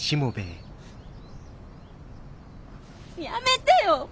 やめてよ！